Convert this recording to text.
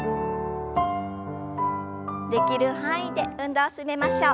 できる範囲で運動を進めましょう。